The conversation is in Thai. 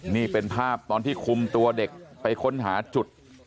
นี่เป็นภาพตอนที่คุมตัวเด็กไปค้นหาจุด